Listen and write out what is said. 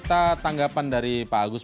saya minta tanggapan dari pak agus